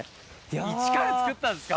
イチから造ったんですか！